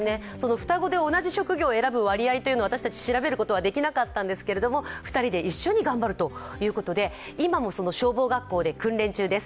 双子で同じ職業の割合は私たち調べることはできなかったんですけれども２人で一緒に頑張るということで、今も消防学校で訓練中です。